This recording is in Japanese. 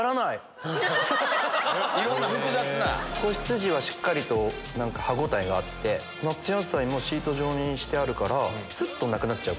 仔羊はしっかりと歯応えがあって夏野菜もシート状にしてあるからすっとなくなっちゃう。